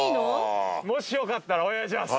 もしよかったらお願いします